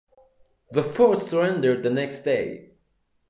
The fort surrendered the next day.